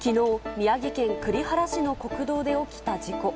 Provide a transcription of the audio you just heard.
宮城県栗原市の国道で起きた事故。